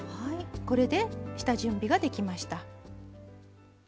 これで下準備ができました。